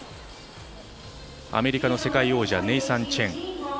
アメリカの世界王者ネイサン・チェン。